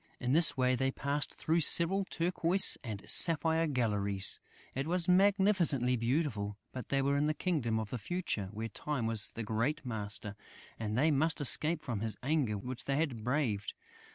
In this way, they passed through several turquoise and sapphire galleries. It was magnificently beautiful, but they were in the Kingdom of the Future, where Time was the great master, and they must escape from his anger which they had braved.